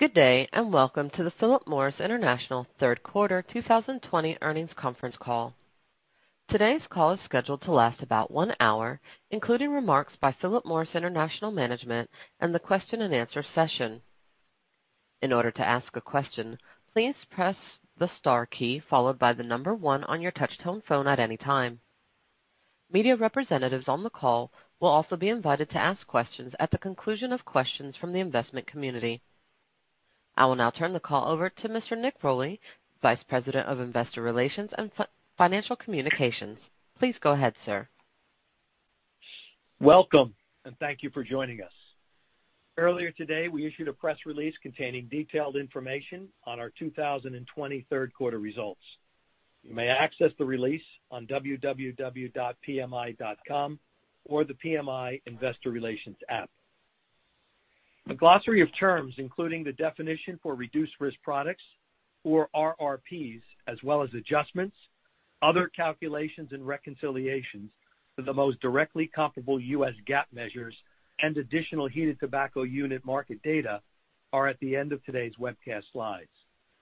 Good day, and welcome to the Philip Morris International third quarter 2020 earnings conference call. Today's call is scheduled to last about one hour, including remarks by Philip Morris International Management and the question and answer session. In order to ask a question, please press the star key followed by the number one on your touchtone phone at any time. Media representatives on the call will also be invited to ask questions at the conclusion of questions from the investment community. I will now turn the call over to Mr. Nick Rolli, Vice President of Investor Relations and Financial Communications. Please go ahead, sir. Welcome, and thank you for joining us. Earlier today, we issued a press release containing detailed information on our 2020 third quarter results. You may access the release on www.pmi.com or the PMI Investor Relations app. A glossary of terms, including the definition for reduced-risk products or RRPs, as well as adjustments, other calculations and reconciliations to the most directly comparable U.S. GAAP measures and additional heated tobacco unit market data, are at the end of today's webcast slides,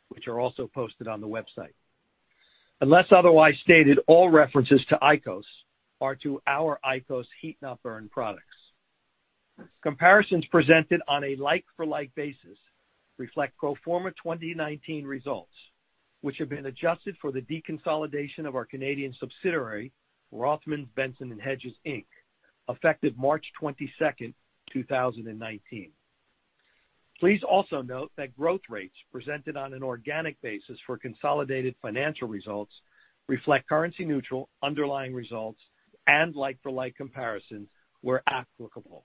which are also posted on the website. Unless otherwise stated, all references to IQOS are to our IQOS heat-not-burn products. Comparisons presented on a like-for-like basis reflect pro forma 2019 results, which have been adjusted for the deconsolidation of our Canadian subsidiary, Rothmans, Benson & Hedges Inc., effective March 22nd, 2019. Please also note that growth rates presented on an organic basis for consolidated financial results reflect currency neutral underlying results and like-for-like comparisons where applicable.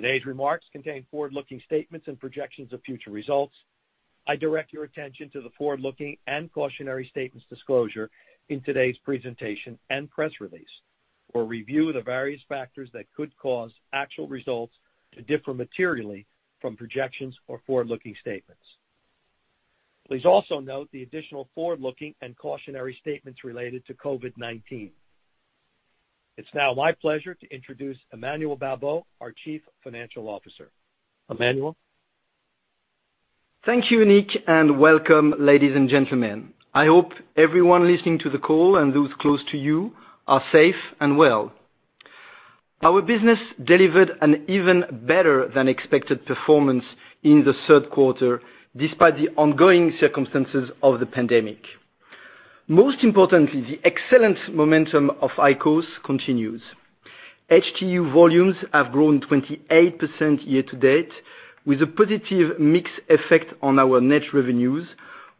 Today's remarks contain forward-looking statements and projections of future results. I direct your attention to the forward-looking and cautionary statements disclosure in today's presentation and press release, or review the various factors that could cause actual results to differ materially from projections or forward-looking statements. Please also note the additional forward-looking and cautionary statements related to COVID-19. It's now my pleasure to introduce Emmanuel Babeau, our Chief Financial Officer. Emmanuel? Thank you, Nick, and welcome, ladies and gentlemen. I hope everyone listening to the call and those close to you are safe and well. Our business delivered an even better than expected performance in the third quarter, despite the ongoing circumstances of the pandemic. Most importantly, the excellent momentum of IQOS continues. HTU volumes have grown 28% year to date with a positive mix effect on our net revenues,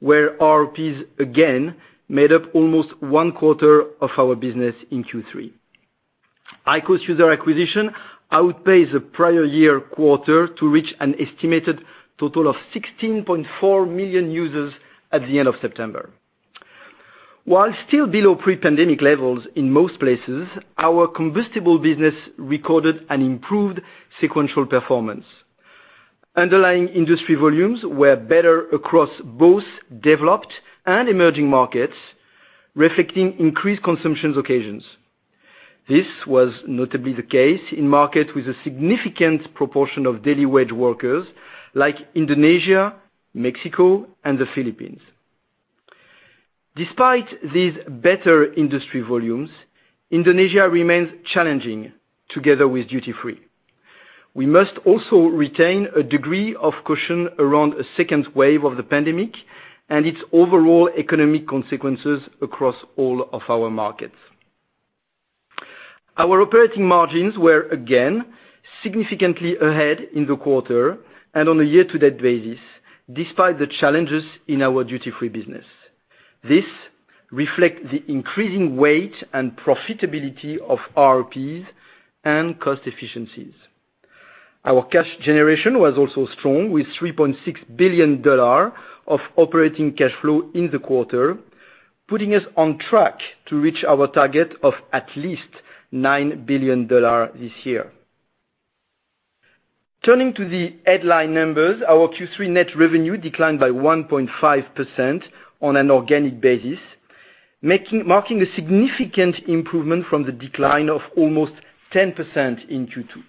where RRPs again made up almost one quarter of our business in Q3. IQOS user acquisition outpaced the prior year quarter to reach an estimated total of 16.4 million users at the end of September. While still below pre-pandemic levels in most places, our combustible business recorded an improved sequential performance. Underlying industry volumes were better across both developed and emerging markets, reflecting increased consumption occasions. This was notably the case in markets with a significant proportion of daily wage workers like Indonesia, Mexico, and the Philippines. Despite these better industry volumes, Indonesia remains challenging together with duty-free. We must also retain a degree of caution around a second wave of the pandemic and its overall economic consequences across all of our markets. Our operating margins were again significantly ahead in the quarter and on a year-to-date basis, despite the challenges in our duty-free business. This reflects the increasing weight and profitability of RRPs and cost efficiencies. Our cash generation was also strong, with $3.6 billion of operating cash flow in the quarter, putting us on track to reach our target of at least $9 billion this year. Turning to the headline numbers, our Q3 net revenue declined by 1.5% on an organic basis, marking a significant improvement from the decline of almost 10% in Q2.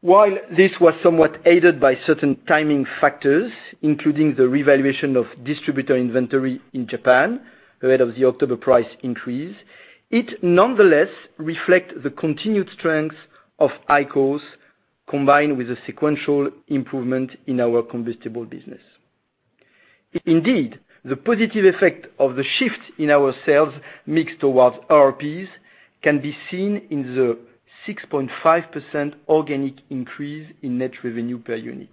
While this was somewhat aided by certain timing factors, including the revaluation of distributor inventory in Japan ahead of the October price increase, it nonetheless reflect the continued strength of IQOS, combined with a sequential improvement in our combustible business. If indeed, the positive effect of the shift in our sales mix towards RRPs can be seen in the 6.5% organic increase in net revenue per unit.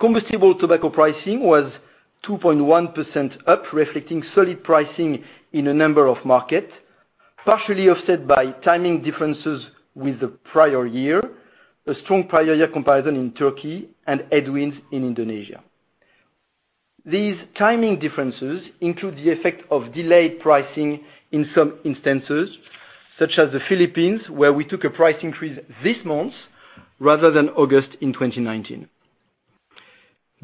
Combustible tobacco pricing was 2.1% up, reflecting solid pricing in a number of markets, partially offset by timing differences with the prior year, a strong prior year comparison in Turkey, and headwinds in Indonesia. These timing differences include the effect of delayed pricing in some instances, such as the Philippines, where we took a price increase this month rather than August in 2019.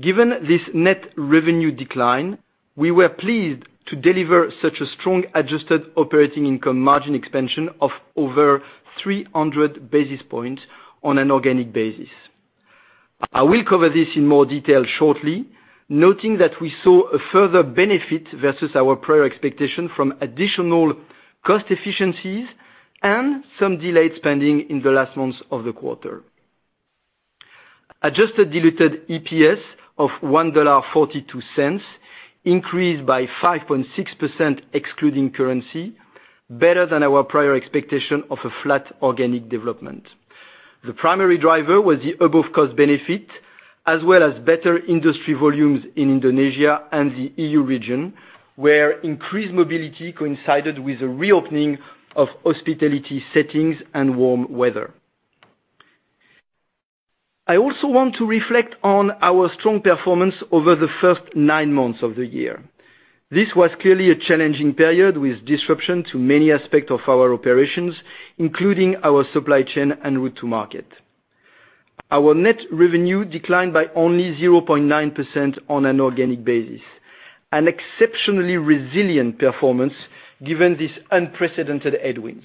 Given this net revenue decline, we were pleased to deliver such a strong adjusted operating income margin expansion of over 300 basis points on an organic basis. I will cover this in more detail shortly, noting that we saw a further benefit versus our prior expectation from additional cost efficiencies and some delayed spending in the last months of the quarter. Adjusted diluted EPS of $1.42 increased by 5.6% excluding currency, better than our prior expectation of a flat organic development. The primary driver was the above-cost benefit, as well as better industry volumes in Indonesia and the E.U. region, where increased mobility coincided with a reopening of hospitality settings and warm weather. I also want to reflect on our strong performance over the first nine months of the year. This was clearly a challenging period with disruption to many aspects of our operations, including our supply chain and route to market. Our net revenue declined by only 0.9% on an organic basis, an exceptionally resilient performance given these unprecedented headwinds.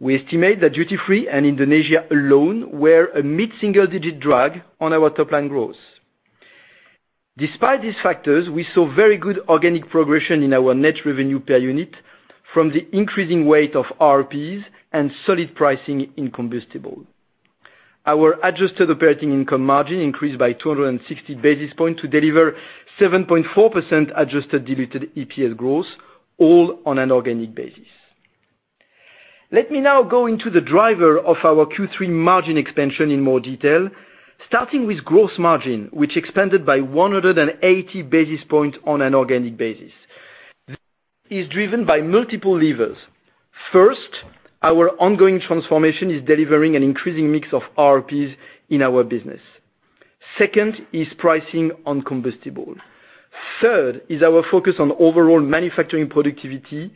We estimate that duty-free and Indonesia alone were a mid-single-digit drag on our top-line growth. Despite these factors, we saw very good organic progression in our net revenue per unit from the increasing weight of RRPs and solid pricing in combustible. Our adjusted operating income margin increased by 260 basis points to deliver 7.4% adjusted diluted EPS growth, all on an organic basis. Let me now go into the driver of our Q3 margin expansion in more detail, starting with gross margin, which expanded by 180 basis points on an organic basis. This is driven by multiple levers. First, our ongoing transformation is delivering an increasing mix of RRPs in our business. Second is pricing on combustible. Third is our focus on overall manufacturing productivity,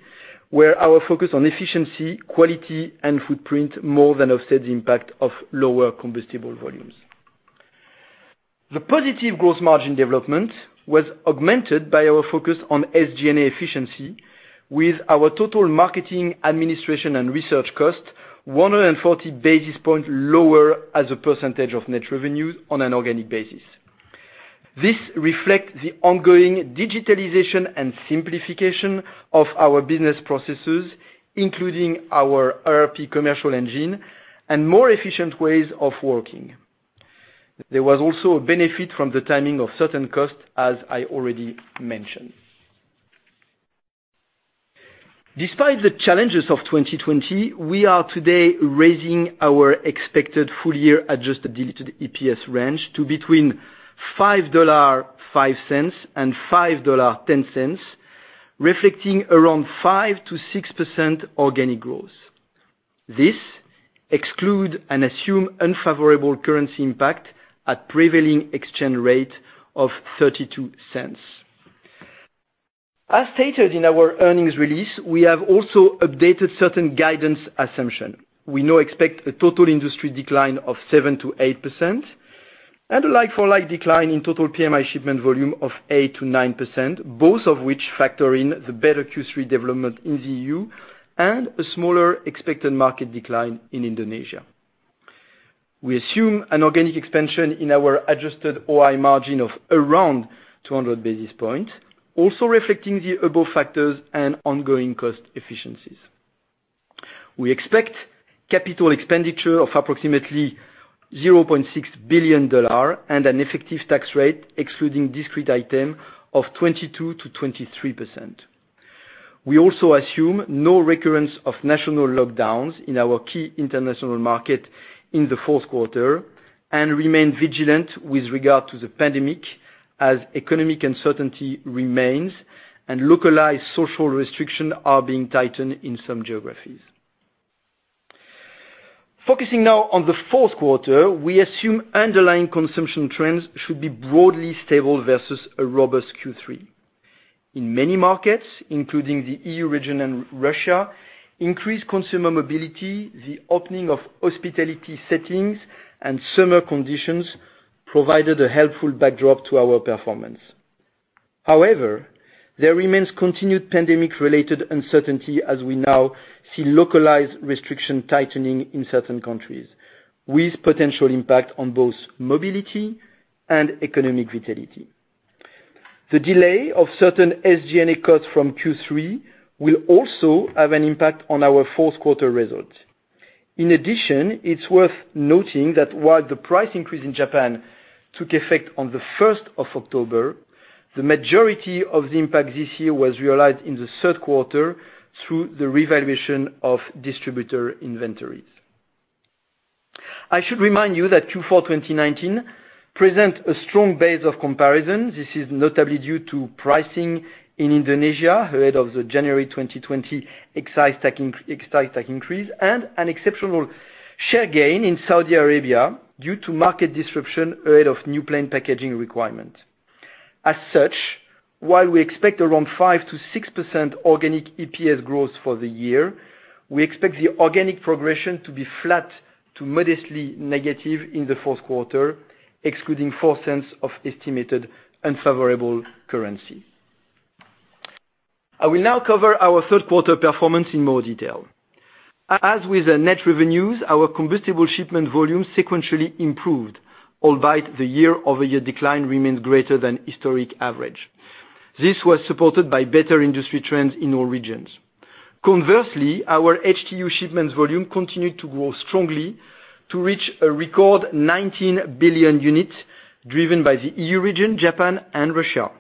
where our focus on efficiency, quality and footprint more than offsets the impact of lower combustible volumes. The positive gross margin development was augmented by our focus on SG&A efficiency with our total marketing, administration, and research cost 140 basis points lower as a percentage of net revenues on an organic basis. This reflects the ongoing digitalization and simplification of our business processes, including our RRP commercial engine and more efficient ways of working. There was also a benefit from the timing of certain costs, as I already mentioned. Despite the challenges of 2020, we are today raising our expected full-year adjusted diluted EPS range to between $5.05 and $5.10, reflecting around 5%-6% organic growth. This excludes and assumes unfavorable currency impact at prevailing exchange rate of $0.32. As stated in our earnings release, we have also updated certain guidance assumption. We now expect a total industry decline of 7%-8% and a like-for-like decline in total PMI shipment volume of 8%-9%, both of which factor in the better Q3 development in the E.U. and a smaller expected market decline in Indonesia. We assume an organic expansion in our adjusted OI margin of around 200 basis points, also reflecting the above factors and ongoing cost efficiencies. We expect capital expenditure of approximately $0.6 billion and an effective tax rate excluding discrete item of 22%-23%. We also assume no recurrence of national lockdowns in our key international market in the fourth quarter and remain vigilant with regard to the pandemic as economic uncertainty remains and localized social restrictions are being tightened in some geographies. Focusing now on the fourth quarter, we assume underlying consumption trends should be broadly stable versus a robust Q3. In many markets, including the E.U. region and Russia, increased consumer mobility, the opening of hospitality settings, and summer conditions provided a helpful backdrop to our performance. However, there remains continued pandemic-related uncertainty as we now see localized restriction tightening in certain countries, with potential impact on both mobility and economic vitality. The delay of certain SG&A cuts from Q3 will also have an impact on our fourth quarter results. In addition, it's worth noting that while the price increase in Japan took effect on the 1st of October, the majority of the impact this year was realized in the third quarter through the revaluation of distributor inventories. I should remind you that Q4 2019 presents a strong base of comparison. This is notably due to pricing in Indonesia ahead of the January 2020 excise tax increase and an exceptional share gain in Saudi Arabia due to market disruption ahead of new plain packaging requirements. While we expect around 5%-6% organic EPS growth for the year, we expect the organic progression to be flat to modestly negative in the fourth quarter, excluding $0.04 of estimated unfavorable currency. I will now cover our third quarter performance in more detail. As with the net revenues, our combustible shipment volume sequentially improved, albeit the year-over-year decline remains greater than historic average. This was supported by better industry trends in all regions. Conversely, our HTU shipments volume continued to grow strongly to reach a record 19 billion units driven by the E.U. region, Japan, and Russia.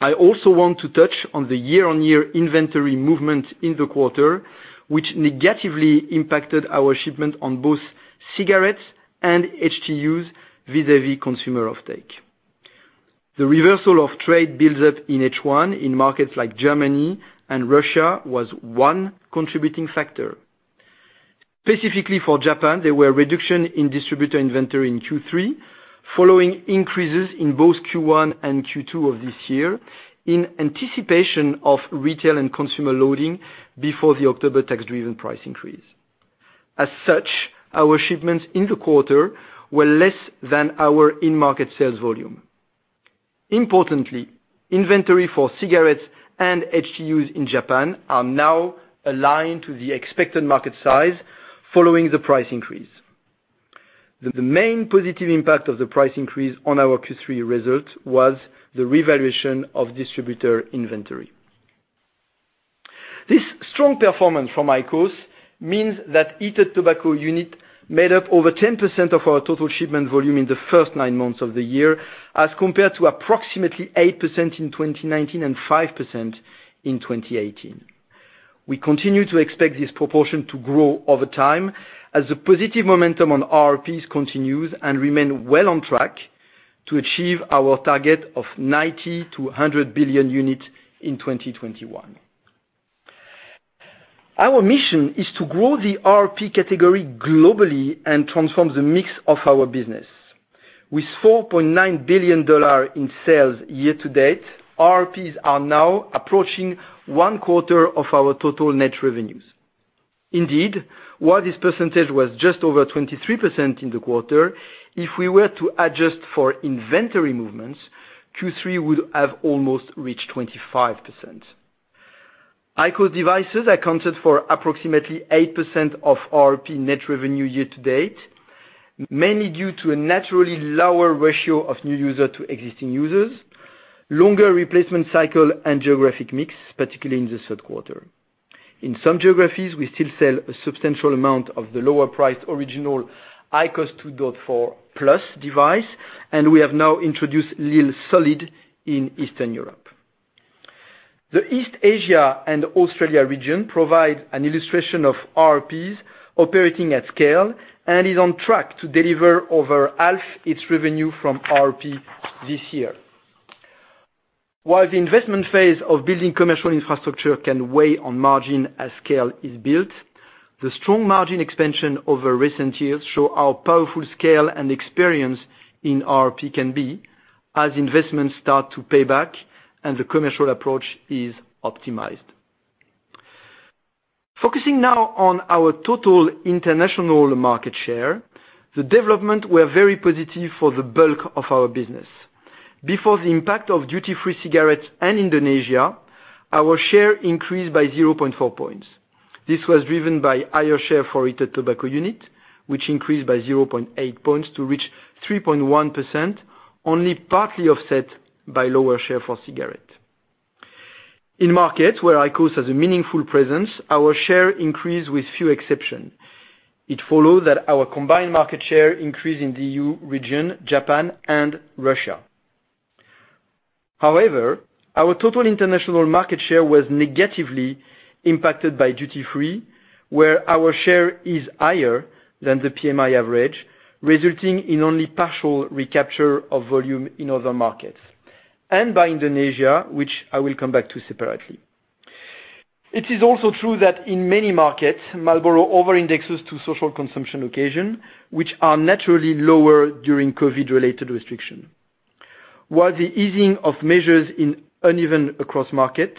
I also want to touch on the year-on-year inventory movement in the quarter, which negatively impacted our shipment on both cigarettes and HTUs vis-a-vis consumer offtake. The reversal of trade buildup in H1 in markets like Germany and Russia was one contributing factor. Specifically for Japan, there were reduction in distributor inventory in Q3 following increases in both Q1 and Q2 of this year in anticipation of retail and consumer loading before the October tax-driven price increase. Our shipments in the quarter were less than our in-market sales volume. Importantly, inventory for cigarettes and HTUs in Japan are now aligned to the expected market size following the price increase. The main positive impact of the price increase on our Q3 results was the revaluation of distributor inventory. This strong performance from IQOS means that heated tobacco unit made up over 10% of our total shipment volume in the first nine months of the year, as compared to approximately 8% in 2019 and 5% in 2018. We continue to expect this proportion to grow over time as the positive momentum on RRPs continues and remain well on track to achieve our target of 90 billion-100 billion units in 2021. Our mission is to grow the RRP category globally and transform the mix of our business. With $4.9 billion in sales year to date, RRPs are now approaching 1/4 of our total net revenues. Indeed, while this percentage was just over 23% in the quarter, if we were to adjust for inventory movements, Q3 would have almost reached 25%. IQOS devices accounted for approximately 8% of RRP net revenue year to date, mainly due to a naturally lower ratio of new user to existing users, longer replacement cycle, and geographic mix, particularly in the third quarter. In some geographies, we still sell a substantial amount of the lower priced original IQOS 2.4 Plus device, and we have now introduced lil SOLID in Eastern Europe. The East Asia and Australia region provide an illustration of RRPs operating at scale and is on track to deliver over half its revenue from RRP this year. While the investment phase of building commercial infrastructure can weigh on margin as scale is built, the strong margin expansion over recent years shows how powerful scale and experience in RRP can be as investments start to pay back and the commercial approach is optimized. Focusing now on our total international market share, the development was very positive for the bulk of our business. Before the impact of duty-free cigarettes and Indonesia, our share increased by 0.4 points. This was driven by higher share for heated tobacco unit, which increased by 0.8 points to reach 3.1%, only partly offset by lower share for cigarettes. In markets where IQOS has a meaningful presence, our share increased with few exceptions. It follows that our combined market share increased in the E.U. region, Japan, and Russia. However, our total international market share was negatively impacted by duty-free, where our share is higher than the PMI average, resulting in only partial recapture of volume in other markets, and by Indonesia, which I will come back to separately. It is also true that in many markets, Marlboro overindexes to social consumption occasion, which are naturally lower during COVID-related restriction. While the easing of measures is uneven across market,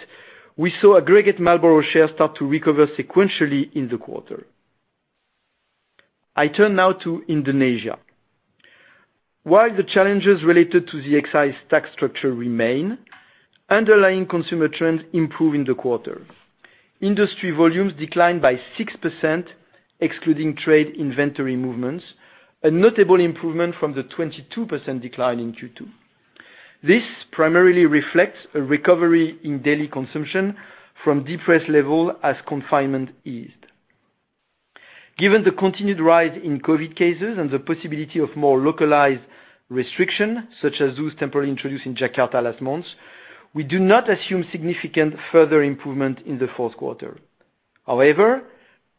we saw aggregate Marlboro share start to recover sequentially in the quarter. I turn now to Indonesia. While the challenges related to the excise tax structure remain, underlying consumer trends improve in the quarter. Industry volumes declined by 6%, excluding trade inventory movements, a notable improvement from the 22% decline in Q2. This primarily reflects a recovery in daily consumption from depressed level as confinement eased. Given the continued rise in COVID cases and the possibility of more localized restriction, such as those temporarily introduced in Jakarta last month, we do not assume significant further improvement in the fourth quarter.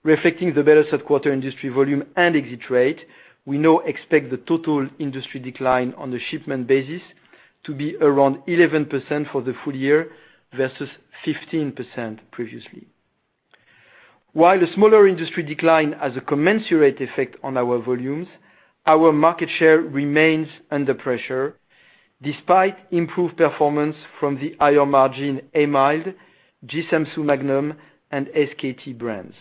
Reflecting the better third quarter industry volume and exit rate, we now expect the total industry decline on the shipment basis to be around 11% for the full year, versus 15% previously. While the smaller industry decline has a commensurate effect on our volumes, our market share remains under pressure despite improved performance from the higher margin A Mild, Dji Sam Soe Magnum, and SKT brands.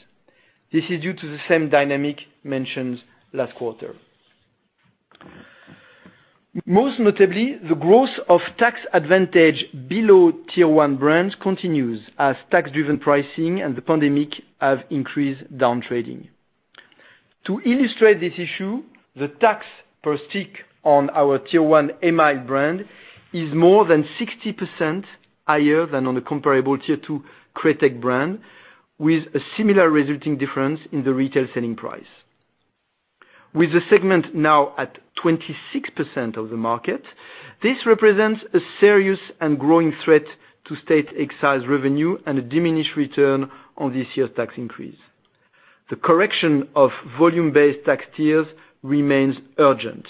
This is due to the same dynamic mentioned last quarter. Most notably, the growth of tax advantage below tier 1 brands continues as tax-driven pricing and the pandemic have increased downtrading. To illustrate this issue, the tax per stick on our tier 1 A Mild brand is more than 60% higher than on the comparable tier 2 kretek brand, with a similar resulting difference in the retail selling price. With the segment now at 26% of the market, this represents a serious and growing threat to state excise revenue and a diminished return on this year's tax increase. The correction of volume-based tax tiers remains urgent.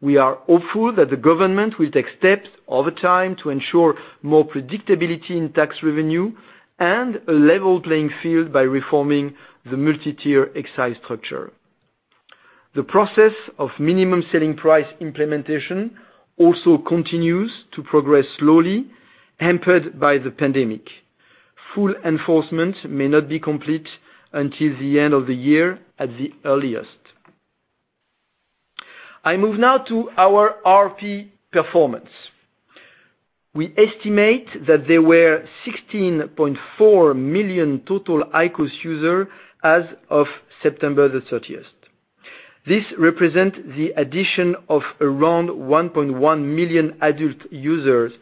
We are hopeful that the government will take steps over time to ensure more predictability in tax revenue and a level playing field by reforming the multi-tier excise structure. The process of minimum selling price implementation also continues to progress slowly, hampered by the pandemic. Full enforcement may not be complete until the end of the year at the earliest. I move now to our RRP performance. We estimate that there were 16.4 million total IQOS users as of September 30th. This represents the addition of around 1.1 million adult users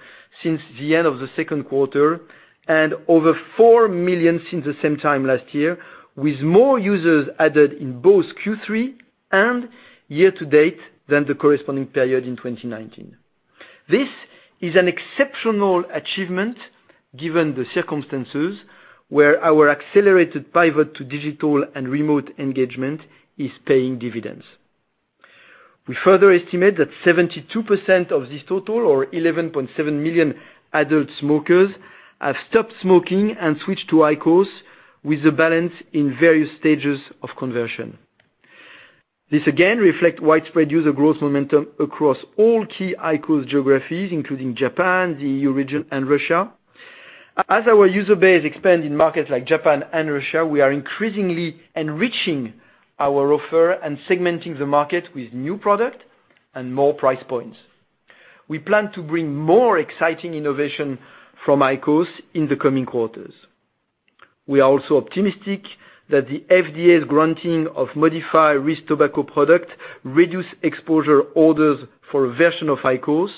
since the end of the second quarter, and over 4 million since the same time last year, with more users added in both Q3 and year to date than the corresponding period in 2019. This is an exceptional achievement given the circumstances where our accelerated pivot to digital and remote engagement is paying dividends. We further estimate that 72% of this total or 11.7 million adult smokers have stopped smoking and switched to IQOS, with the balance in various stages of conversion. This again reflect widespread user growth momentum across all key IQOS geographies, including Japan, the E.U. region, and Russia. As our user base expand in markets like Japan and Russia, we are increasingly enriching our offer and segmenting the market with new product and more price points. We plan to bring more exciting innovation from IQOS in the coming quarters. We are also optimistic that the FDA's granting of modified risk tobacco product reduced exposure orders for a version of IQOS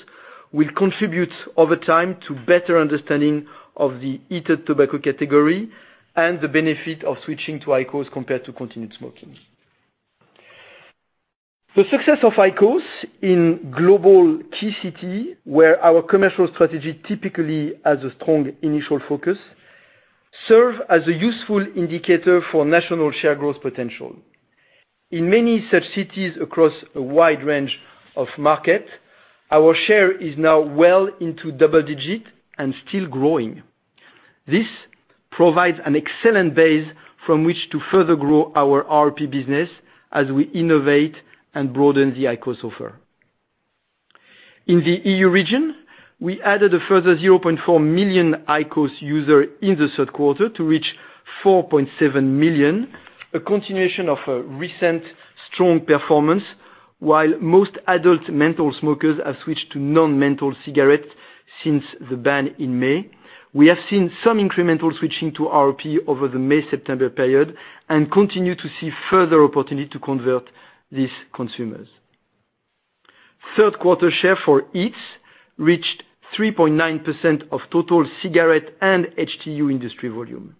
will contribute over time to better understanding of the heated tobacco category and the benefit of switching to IQOS compared to continued smoking. The success of IQOS in global key city, where our commercial strategy typically has a strong initial focus, serve as a useful indicator for national share growth potential. In many such cities across a wide range of market, our share is now well into double digit and still growing. This provides an excellent base from which to further grow our RRPs business as we innovate and broaden the IQOS offer. In the E.U. region, we added a further 0.4 million IQOS users in the third quarter to reach 4.7 million, a continuation of a recent strong performance. While most adult menthol smokers have switched to non-menthol cigarettes since the ban in May. We have seen some incremental switching to RRPs over the May-September period and continue to see further opportunity to convert these consumers. Third quarter share for HEETS reached 3.9% of total cigarette and HTU industry volume.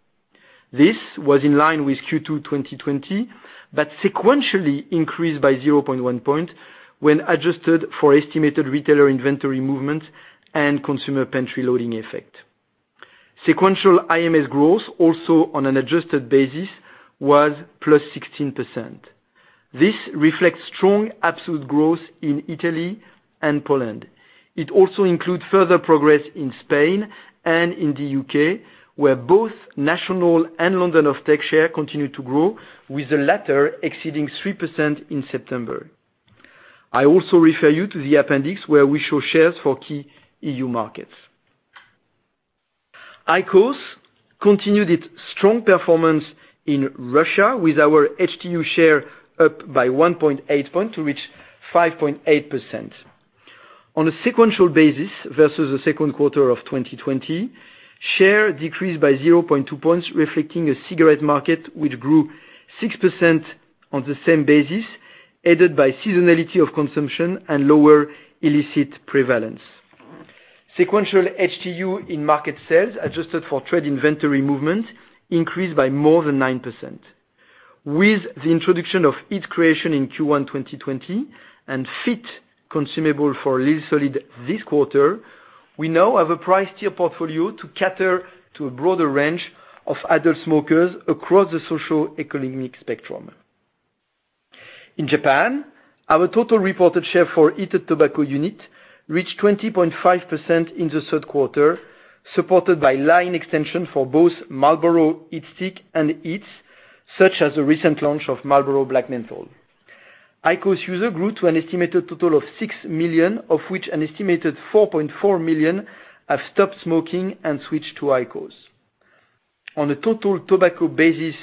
This was in line with Q2 2020, sequentially increased by 0.1 point when adjusted for estimated retailer inventory movement and consumer pantry loading effect. Sequential IMS growth, also on an adjusted basis, was +16%. This reflects strong absolute growth in Italy and Poland. It also include further progress in Spain and in the U.K., where both national and London offtake share continue to grow, with the latter exceeding 3% in September. I also refer you to the appendix where we show shares for key E.U. markets. IQOS continued its strong performance in Russia with our HTU share up by 1.8 point to reach 5.8%. On a sequential basis versus the second quarter of 2020, share decreased by 0.2 points, reflecting a cigarette market which grew 6% on the same basis, aided by seasonality of consumption and lower illicit prevalence. Sequential HTU in market sales, adjusted for trade inventory movement, increased by more than 9%. With the introduction of HEETS Creations in Q1 2020 and FIIT consumable for lil SOLID this quarter, we now have a price tier portfolio to cater to a broader range of adult smokers across the socioeconomic spectrum. In Japan, our total reported share for heated tobacco unit reached 20.5% in the third quarter, supported by line extension for both Marlboro HeatSticks and HEETS, such as the recent launch of Marlboro Black Menthol. IQOS user grew to an estimated total of 6 million, of which an estimated 4.4 million have stopped smoking and switched to IQOS. On a total tobacco basis,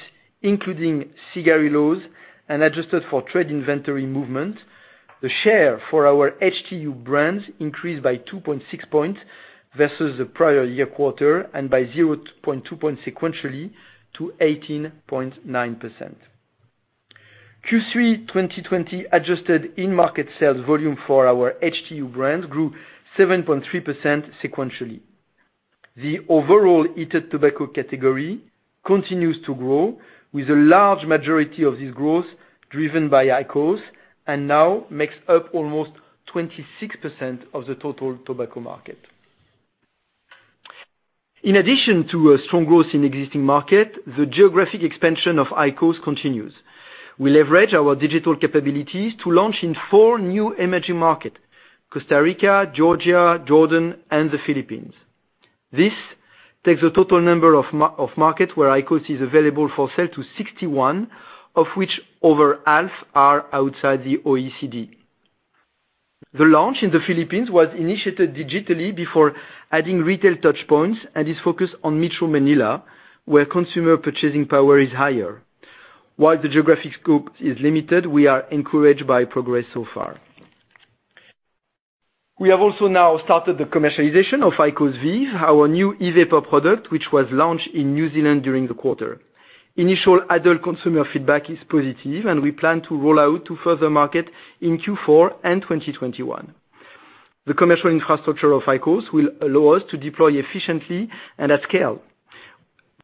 including cigarillos and adjusted for trade inventory movement, the share for our HTU brands increased by 2.6 points versus the prior-year quarter and by 0.2 points sequentially to 18.9%. Q3 2020 adjusted in-market sales volume for our HTU brands grew 7.3% sequentially. The overall heated tobacco category continues to grow, with a large majority of this growth driven by IQOS and now makes up almost 26% of the total tobacco market. In addition to a strong growth in existing market, the geographic expansion of IQOS continues. We leverage our digital capabilities to launch in four new emerging market: Costa Rica, Georgia, Jordan, and the Philippines. This takes the total number of market where IQOS is available for sale to 61, of which over half are outside the OECD. The launch in the Philippines was initiated digitally before adding retail touch points and is focused on Metro Manila, where consumer purchasing power is higher. While the geographic scope is limited, we are encouraged by progress so far. We have also now started the commercialization of IQOS VEEV, our new e-vapor product, which was launched in New Zealand during the quarter. Initial adult consumer feedback is positive, and we plan to roll out to further market in Q4 and 2021. The commercial infrastructure of IQOS will allow us to deploy efficiently and at scale.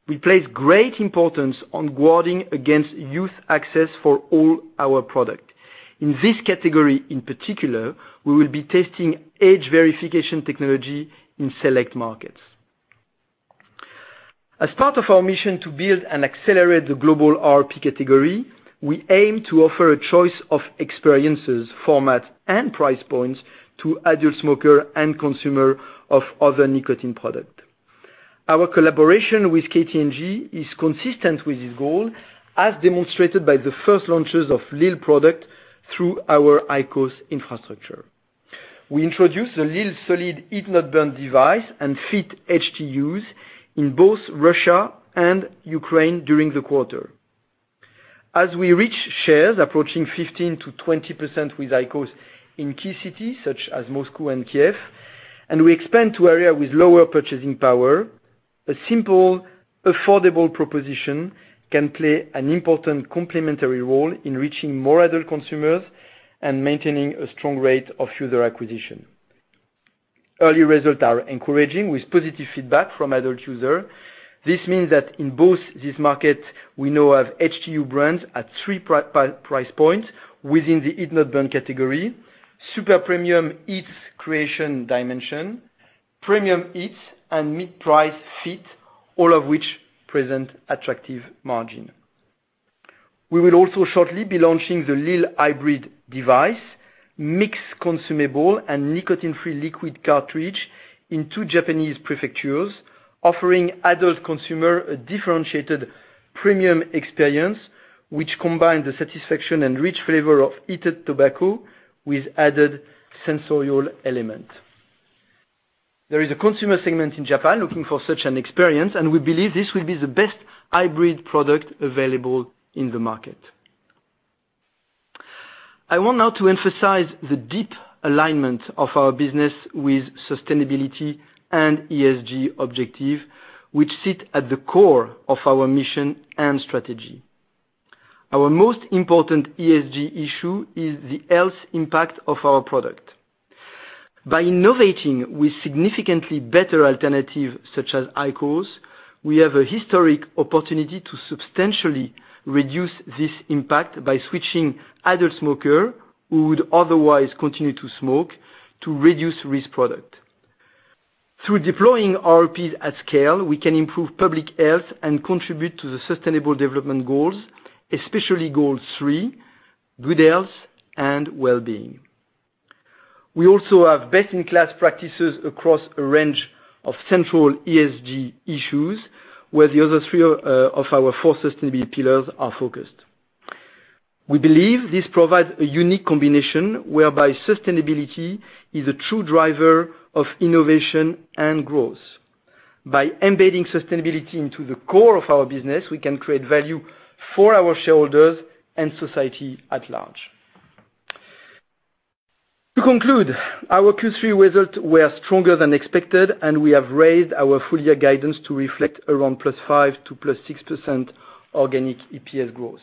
We place great importance on guarding against youth access for all our product. In this category in particular, we will be testing age verification technology in select markets. As part of our mission to build and accelerate the global RRPs category, we aim to offer a choice of experiences, formats, and price points to adult smoker and consumer of other nicotine product. Our collaboration with KT&G is consistent with this goal, as demonstrated by the first launches of lil product through our IQOS infrastructure. We introduced the lil SOLID heat-not-burn device and FIIT HTUs in both Russia and Ukraine during the quarter. As we reach shares approaching 15%-20% with IQOS in key cities such as Moscow and Kiev, and we expand to areas with lower purchasing power, a simple, affordable proposition can play an important complementary role in reaching more adult consumers and maintaining a strong rate of user acquisition. Early results are encouraging with positive feedback from adult users. This means that in both these markets, we now have HTU brands at three price points within the heat-not-burn category. Super premium HEETS Creations Dimensions, premium HEETS, and mid-price FIIT, all of which present attractive margins. We will also shortly be launching the lil HYBRID device, mixed consumable, and nicotine-free liquid cartridge in two Japanese prefectures, offering adult consumers a differentiated premium experience which combines the satisfaction and rich flavor of heated tobacco with added sensorial elements. There is a consumer segment in Japan looking for such an experience, and we believe this will be the best hybrid product available in the market. I want now to emphasize the deep alignment of our business with sustainability and ESG objective, which sit at the core of our mission and strategy. Our most important ESG issue is the health impact of our product. By innovating with significantly better alternative such as IQOS, we have a historic opportunity to substantially reduce this impact by switching adult smoker who would otherwise continue to smoke to reduced-risk product. Through deploying RRPs at scale, we can improve public health and contribute to the sustainable development goals, especially goal three, Good health and wellbeing. We also have best-in-class practices across a range of central ESG issues, where the other three of our four sustainability pillars are focused. We believe this provides a unique combination whereby sustainability is a true driver of innovation and growth. By embedding sustainability into the core of our business, we can create value for our shareholders and society at large. To conclude, our Q3 result were stronger than expected, and we have raised our full year guidance to reflect around +5% to +6% organic EPS growth.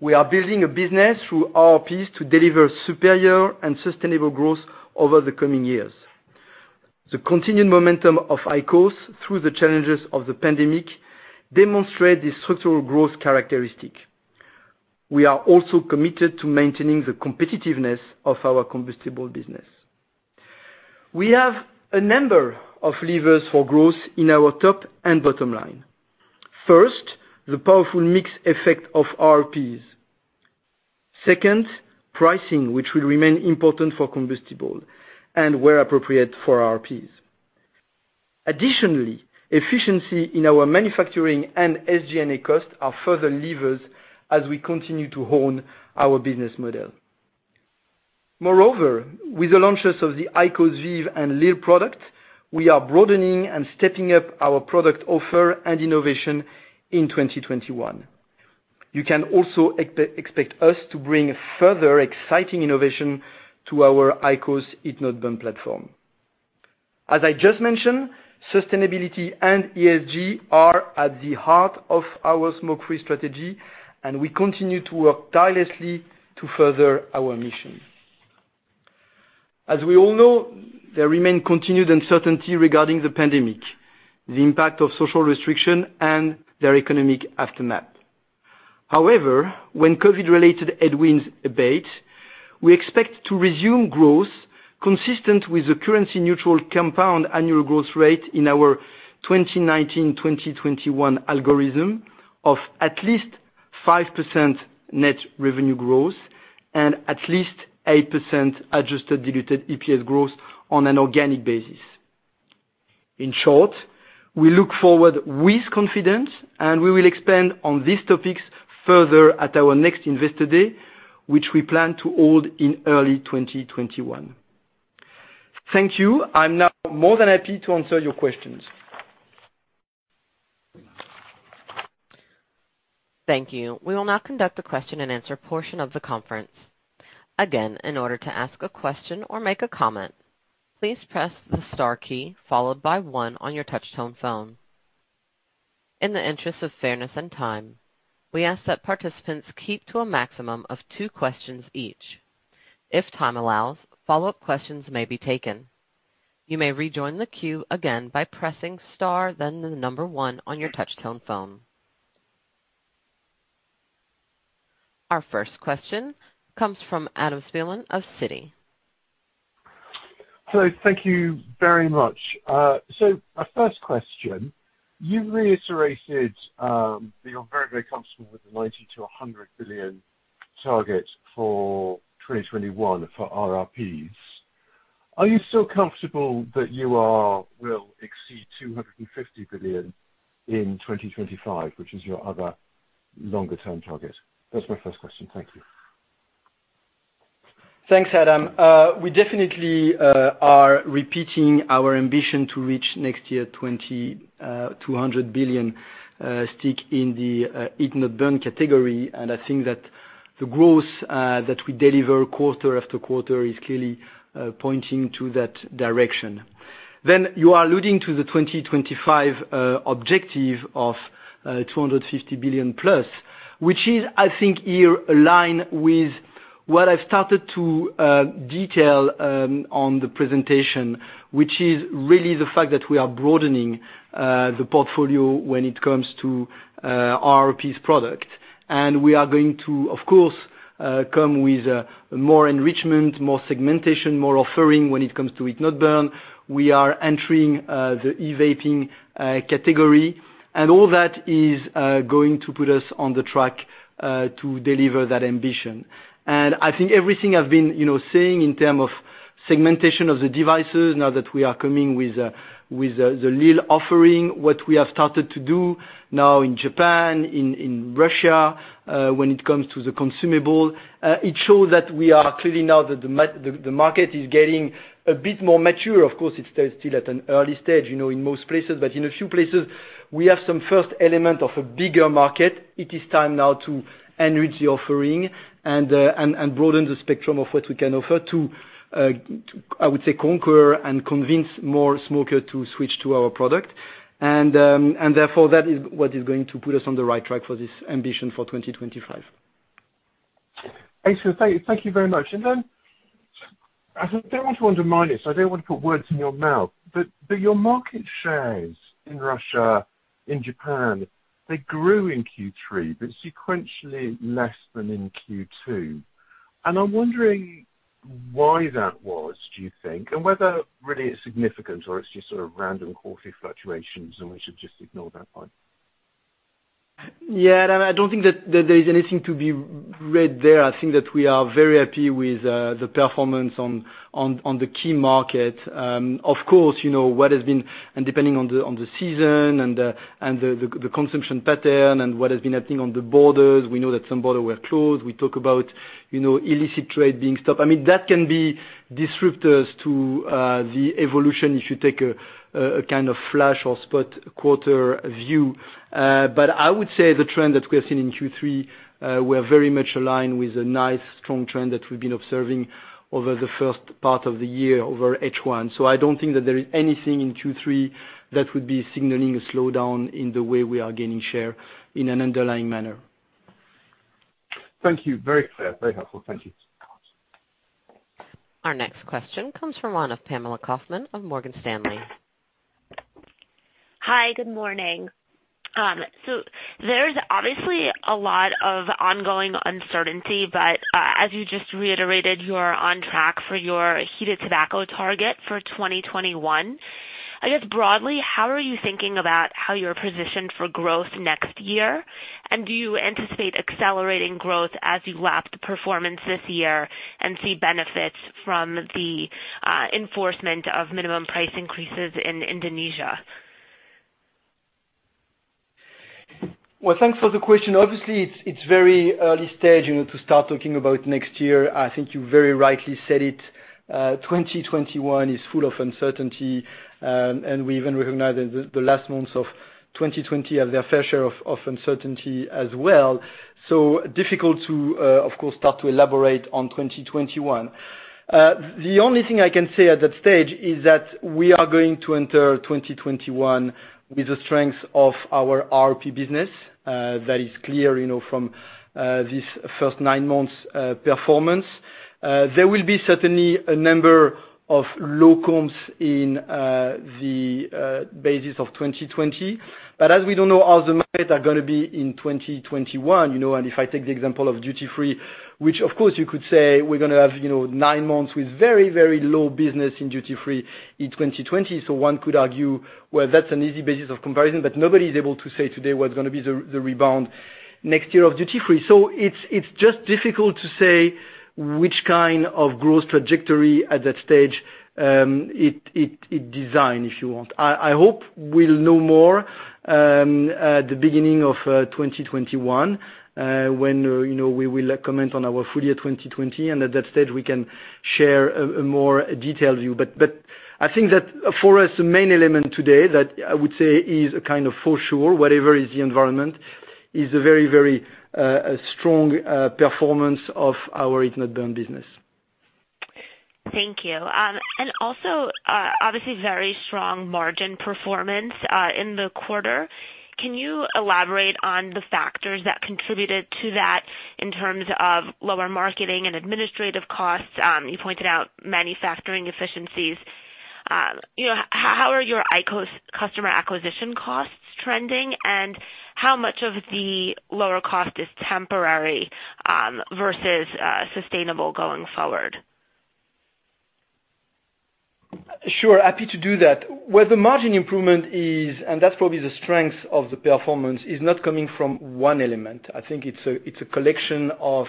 We are building a business through RRPs to deliver superior and sustainable growth over the coming years. The continued momentum of IQOS through the challenges of the pandemic demonstrate the structural growth characteristic. We are also committed to maintaining the competitiveness of our combustible business. We have a number of levers for growth in our top and bottom line. First, the powerful mix effect of RRPs. Second, pricing, which will remain important for combustible and where appropriate for RRPs. Additionally, efficiency in our manufacturing and SG&A costs are further levers as we continue to hone our business model. Moreover, with the launches of the IQOS VEEV and lil products, we are broadening and stepping up our product offer and innovation in 2021. You can also expect us to bring further exciting innovation to our IQOS heat-not-burn platform. As I just mentioned, sustainability and ESG are at the heart of our smoke-free strategy, and we continue to work tirelessly to further our mission. As we all know, there remain continued uncertainty regarding the pandemic. The impact of social restriction, and their economic aftermath. However, when COVID-related headwinds abate, we expect to resume growth consistent with the currency-neutral compound annual growth rate in our 2019-2021 algorithm of at least 5% net revenue growth and at least 8% adjusted diluted EPS growth on an organic basis. In short, we look forward with confidence, and we will expand on these topics further at our next Investor Day, which we plan to hold in early 2021. Thank you. I am now more than happy to answer your questions. Thank you. We will now conduct a question and answer portion of the conference. Again, in order to ask a question or make a comment, please press the star key, followed by one on your touchtone phone. In the interest of fairness and time, we ask that participants keep to a maximum of two questions each. If time allows, follow-up questions may be taken. You may rejoin the queue again by pressing star, then the number one on your touchtone phone. Our first question comes from Adam Spielman of Citi. Hello. Thank you very much. My first question, you reiterated that you're very, very comfortable with the 90 billion-100 billion target for 2021 for RRPs. Are you still comfortable that you will exceed $250 billion in 2025, which is your other longer-term target? That's my first question. Thank you. Thanks, Adam. We definitely are repeating our ambition to reach next year, 200 billion sticks in the heat-not-burn category. I think that the growth that we deliver quarter after quarter is clearly pointing to that direction. You are alluding to the 2025 objective of 250+ billion, which is, I think, here aligned with what I've started to detail on the presentation, which is really the fact that we are broadening the portfolio when it comes to RRPs products. We are going to, of course, come with more enrichment, more segmentation, more offering when it comes to heat-not-burn. We are entering the e-vaping category. All that is going to put us on the track to deliver that ambition. I think everything I've been saying in term of segmentation of the devices, now that we are coming with the lil offering, what we have started to do now in Japan, in Russia, when it comes to the consumable. It shows that we are clearly now that the market is getting a bit more mature. Of course, it's still at an early stage in most places. In a few places, we have some first element of a bigger market. It is time now to enrich the offering and broaden the spectrum of what we can offer to, I would say, conquer and convince more smoker to switch to our product. That is what is going to put us on the right track for this ambition for 2025. Excellent. Thank you very much. I don't want to undermine it, so I don't want to put words in your mouth, but your market shares in Russia, in Japan, they grew in Q3, but sequentially less than in Q2. I'm wondering why that was, do you think, and whether really it's significant or it's just sort of random quarter fluctuations and we should just ignore that part. Yeah, I don't think that there is anything to be read there. I think that we are very happy with the performance on the key market. Of course, what has been, and depending on the season and the consumption pattern and what has been happening on the borders, we know that some border were closed. We talk about illicit trade being stopped. That can be disruptors to the evolution if you take a kind of flash or spot quarter view. I would say the trend that we have seen in Q3, we're very much aligned with a nice strong trend that we've been observing over the first part of the year over H1. I don't think that there is anything in Q3 that would be signaling a slowdown in the way we are gaining share in an underlying manner. Thank you. Very clear. Very helpful. Thank you. Our next question comes from Pamela Kaufman of Morgan Stanley. Hi, good morning. There's obviously a lot of ongoing uncertainty, but as you just reiterated, you are on track for your heated tobacco target for 2021. I guess broadly, how are you thinking about how you're positioned for growth next year? Do you anticipate accelerating growth as you lap the performance this year and see benefits from the enforcement of minimum price increases in Indonesia? Thanks for the question. Obviously, it's very early stage to start talking about next year. I think you very rightly said it, 2021 is full of uncertainty, and we even recognize that the last months of 2020 have their fair share of uncertainty as well. Difficult to, of course, start to elaborate on 2021. The only thing I can say at that stage is that we are going to enter 2021 with the strength of our RRPs business. That is clear from this first nine months' performance. There will be certainly a number of low comps in the basis of 2020. As we don't know how the markets are going to be in 2021, and if I take the example of duty free, which of course you could say we're going to have nine months with very, very low business in duty free in 2020. One could argue, well, that's an easy basis of comparison, but nobody is able to say today what's going to be the rebound next year of duty free. It's just difficult to say which kind of growth trajectory at that stage it design, if you want. I hope we'll know more at the beginning of 2021, when we will comment on our full year 2020, and at that stage we can share a more detailed view. I think that for us, the main element today that I would say is a kind of for sure, whatever is the environment, is a very, very strong performance of our heat-not-burn business. Thank you. Obviously very strong margin performance in the quarter. Can you elaborate on the factors that contributed to that in terms of lower marketing and administrative costs? You pointed out manufacturing efficiencies. How are your IQOS customer acquisition costs trending, and how much of the lower cost is temporary versus sustainable going forward? Sure, happy to do that. Where the margin improvement is, and that's probably the strength of the performance, is not coming from one element. I think it's a collection of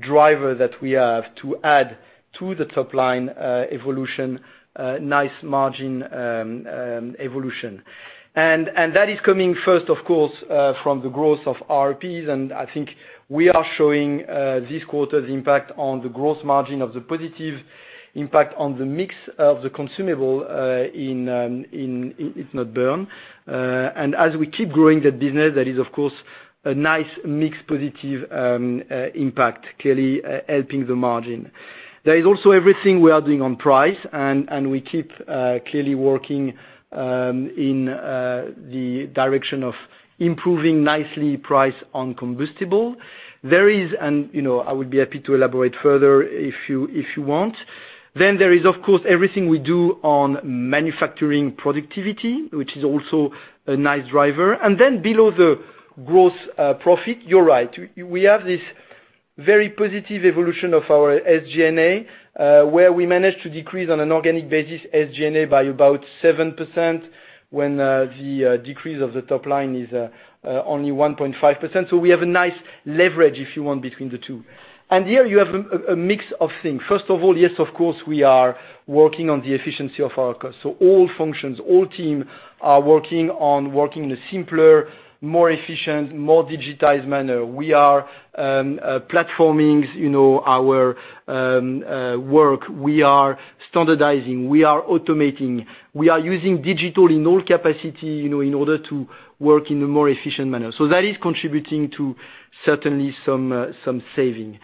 drivers that we have to add to the top line evolution, nice margin evolution. That is coming first, of course, from the growth of RRPs, and I think we are showing this quarter's impact on the gross margin of the positive impact on the mix of the consumables in heat-not-burn. As we keep growing that business, that is of course a nice mix positive impact, clearly helping the margin. There is also everything we are doing on price, and we keep clearly working in the direction of improving nicely price on combustibles. There is. I would be happy to elaborate further if you want. There is, of course, everything we do on manufacturing productivity, which is also a nice driver. Below the gross profit, you're right. We have this very positive evolution of our SG&A, where we managed to decrease on an organic basis, SG&A by about 7% when the decrease of the top line is only 1.5%. We have a nice leverage, if you want, between the two. Here you have a mix of things. First of all, yes, of course, we are working on the efficiency of our cost. All functions, all team are working on working in a simpler, more efficient, more digitized manner. We are platforming our work. We are standardizing. We are automating. We are using digital in all capacity in order to work in a more efficient manner. That is contributing to certainly some saving.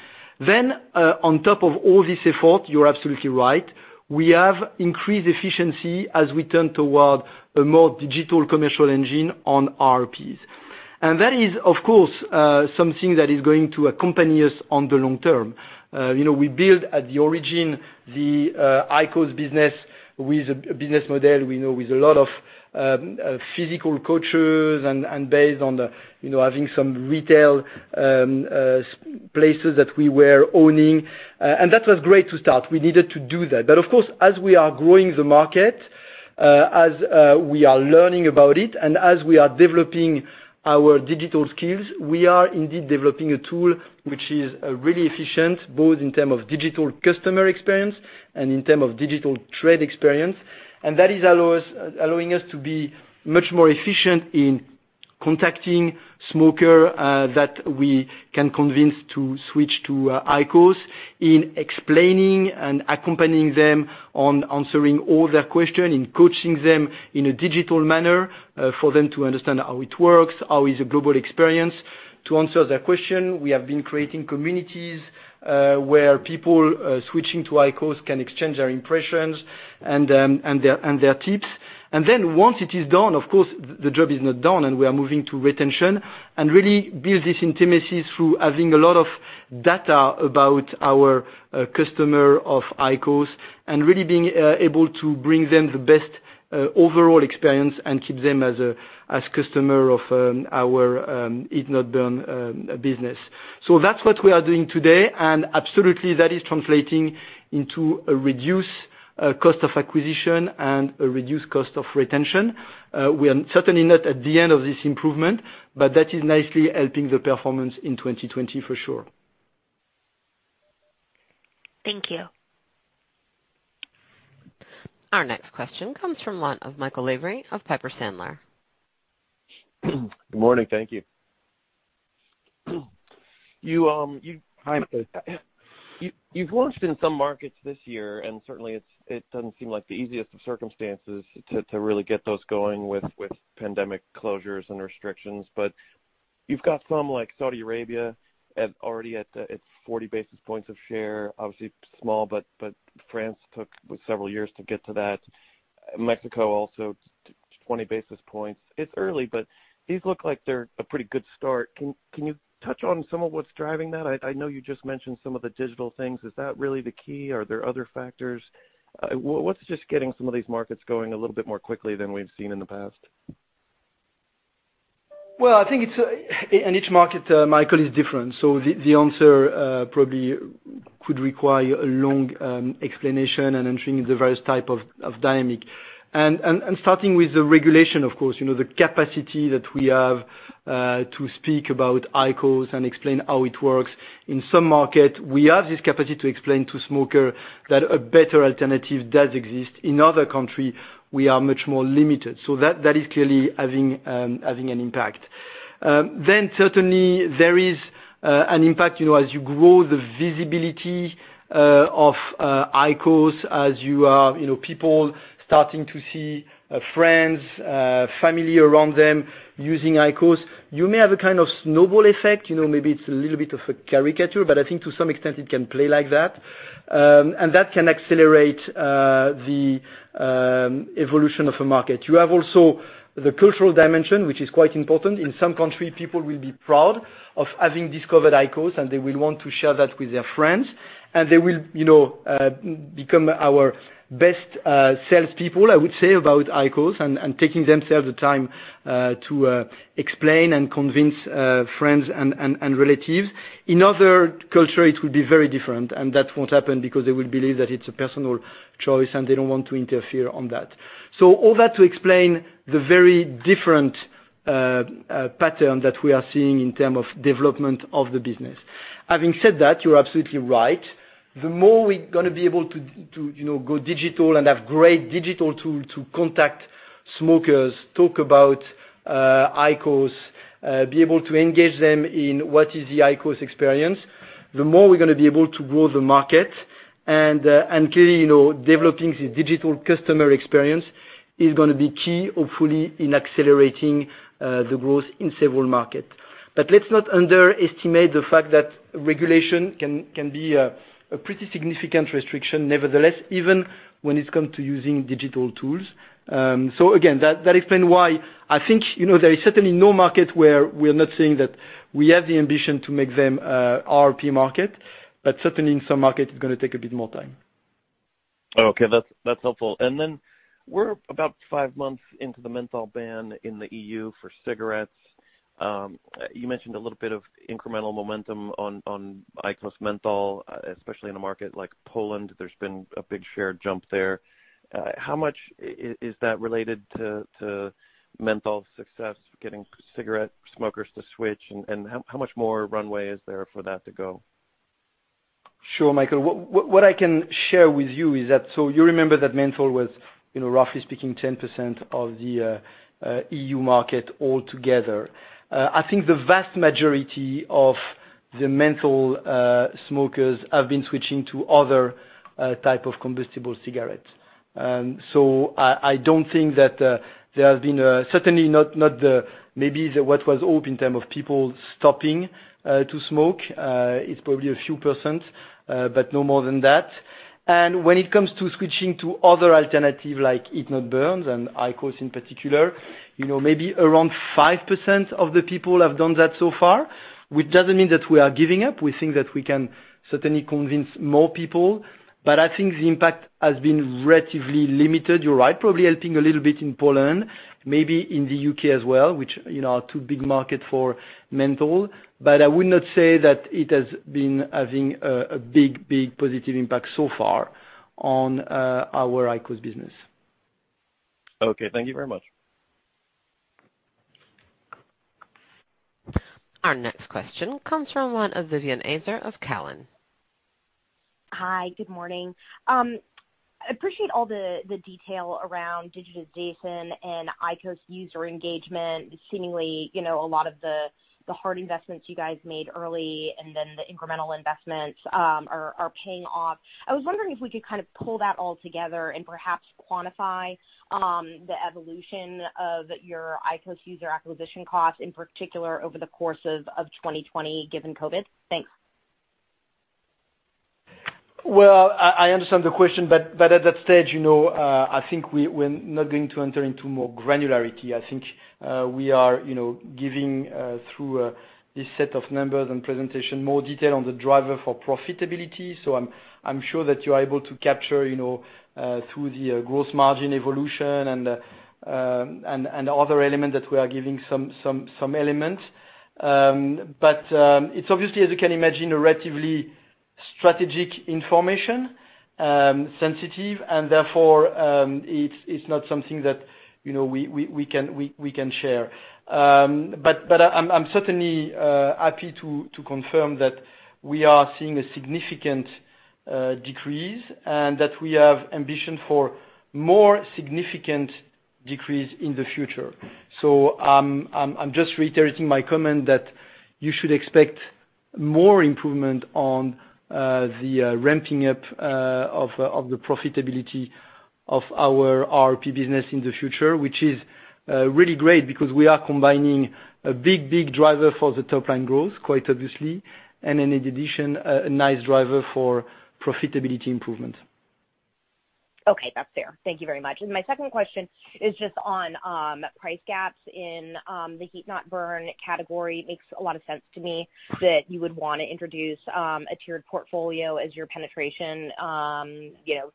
On top of all this effort, you're absolutely right, we have increased efficiency as we turn toward a more digital commercial engine on RRPs. That is, of course, something that is going to accompany us on the long term. We build at the origin, the IQOS business with a business model with a lot of physical cultures and based on having some retail places that we were owning. That was great to start. We needed to do that. Of course, as we are growing the market, as we are learning about it, and as we are developing our digital skills, we are indeed developing a tool which is really efficient, both in terms of digital customer experience and in terms of digital trade experience. That is allowing us to be much more efficient in contacting smoker that we can convince to switch to IQOS, in explaining and accompanying them on answering all their question, in coaching them in a digital manner for them to understand how it works, how is the global experience. To answer the question, we have been creating communities where people switching to IQOS can exchange their impressions and their tips. Once it is done, of course, the job is not done, and we are moving to retention and really build this intimacy through having a lot of data about our customer of IQOS and really being able to bring them the best overall experience and keep them as customer of our heat-not-burn business. That's what we are doing today, and absolutely that is translating into a reduced cost of acquisition and a reduced cost of retention. We are certainly not at the end of this improvement. That is nicely helping the performance in 2020 for sure. Thank you. Our next question comes from one of Michael Lavery of Piper Sandler. Good morning. Thank you. Hi, Michael. You've launched in some markets this year, certainly it doesn't seem like the easiest of circumstances to really get those going with pandemic closures and restrictions. You've got some, like Saudi Arabia, already at its 40 basis points of share, obviously small, but France took several years to get to that. Mexico also, 20 basis points. It's early, but these look like they're a pretty good start. Can you touch on some of what's driving that? I know you just mentioned some of the digital things. Is that really the key? Are there other factors? What's just getting some of these markets going a little bit more quickly than we've seen in the past? Well, I think in each market, Michael, is different. The answer probably could require a long explanation and entering the various type of dynamic. Starting with the regulation, of course, the capacity that we have to speak about IQOS and explain how it works. In some market, we have this capacity to explain to smoker that a better alternative does exist. In other country, we are much more limited. That is clearly having an impact. Certainly there is an impact as you grow the visibility of IQOS, as people starting to see friends, family around them using IQOS. You may have a kind of snowball effect. Maybe it's a little bit of a caricature, but I think to some extent it can play like that. That can accelerate the evolution of a market. You have also the cultural dimension, which is quite important. In some country, people will be proud of having discovered IQOS, they will want to share that with their friends, they will become our best salespeople, I would say, about IQOS and taking themselves the time to explain and convince friends and relatives. In other culture, it will be very different, that won't happen because they will believe that it's a personal choice and they don't want to interfere on that. All that to explain the very different pattern that we are seeing in term of development of the business. Having said that, you're absolutely right. The more we're gonna be able to go digital and have great digital tool to contact smokers, talk about IQOS, be able to engage them in what is the IQOS experience, the more we're gonna be able to grow the market. Clearly, developing the digital customer experience is gonna be key, hopefully, in accelerating the growth in several market. Let's not underestimate the fact that regulation can be a pretty significant restriction nevertheless, even when it's come to using digital tools. Again, that explain why I think there is certainly no market where we are not saying that we have the ambition to make them RRP market, but certainly in some market, it's gonna take a bit more time. Okay. That's helpful. We're about five months into the menthol ban in the E.U. for cigarettes. You mentioned a little bit of incremental momentum on IQOS menthol, especially in a market like Poland. There's been a big share jump there. How much is that related to menthol success, getting cigarette smokers to switch, and how much more runway is there for that to go? Sure, Michael. What I can share with you is that, you remember that menthol was, roughly speaking, 10% of the E.U. market altogether. I think the vast majority of the menthol smokers have been switching to other type of combustible cigarettes. I don't think that there has been, certainly not maybe what was hoped in terms of people stopping to smoke. It's probably a few percent, but no more than that. When it comes to switching to other alternative like heat-not-burns and IQOS in particular, maybe around 5% of the people have done that so far, which doesn't mean that we are giving up. We think that we can certainly convince more people, but I think the impact has been relatively limited. You're right. Probably helping a little bit in Poland, maybe in the U.K. as well, which are two big market for menthol. I would not say that it has been having a big, big positive impact so far on our IQOS business. Okay. Thank you very much. Our next question comes from one of Vivien Azer of Cowen. Hi. Good morning. I appreciate all the detail around digitization and IQOS user engagement. Seemingly, a lot of the hard investments you guys made early and then the incremental investments are paying off. I was wondering if we could pull that all together and perhaps quantify the evolution of your IQOS user acquisition cost, in particular over the course of 2020 given COVID. Thanks. I understand the question, but at that stage, I think we're not going to enter into more granularity. I think we are giving through this set of numbers and presentation, more detail on the driver for profitability. I'm sure that you're able to capture through the gross margin evolution and other element that we are giving some elements. It's obviously, as you can imagine, a relatively strategic information, sensitive, and therefore, it's not something that we can share. I'm certainly happy to confirm that we are seeing a significant decrease, and that we have ambition for more significant decrease in the future. I'm just reiterating my comment that you should expect more improvement on the ramping up of the profitability of our RRP business in the future. Which is really great because we are combining a big, big driver for the top-line growth, quite obviously, and in addition, a nice driver for profitability improvement. Okay, that's fair. Thank you very much. My second question is just on price gaps in the heat-not-burn category. Makes a lot of sense to me that you would want to introduce a tiered portfolio as your penetration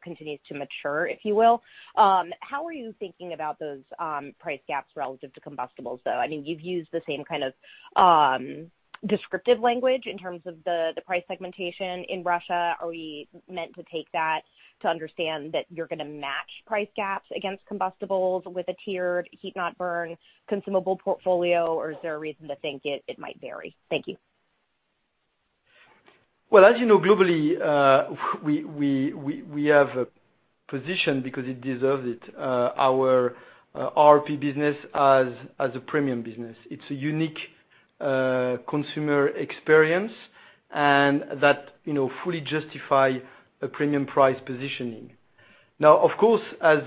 continues to mature, if you will. How are you thinking about those price gaps relative to combustibles, though? You've used the same kind of descriptive language in terms of the price segmentation in Russia. Are we meant to take that to understand that you're going to match price gaps against combustibles with a tiered heat-not-burn consumable portfolio, or is there a reason to think it might vary? Thank you. Well, as you know, globally, we have a position because it deserves it. Our RRPs business as a premium business. It's a unique consumer experience, and that fully justify a premium price positioning. Of course, as